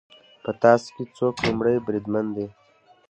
په تاسو کې څوک لومړی بریدمن دی